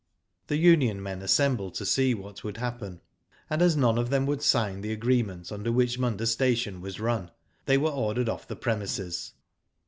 The union men assembled to see what would happen, and as none of them would sign the agreement under which Munda station was run, they were ordered off the premises.